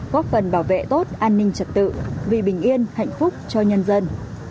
góp phần bảo vệ tốt an ninh trật tự vì bình yên hạnh phúc cho nhân dân